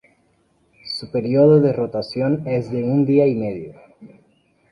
Su período de rotación es de un día y medio.